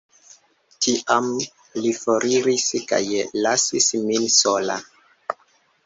Tiam li foriris kaj lasis min sola.